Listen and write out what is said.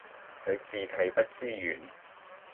你字體不支援